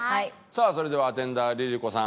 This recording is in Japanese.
それではアテンダーＬｉＬｉＣｏさん